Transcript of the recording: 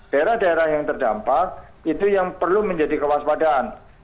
daerah daerah yang terdampak itu yang perlu menjadi kewaspadaan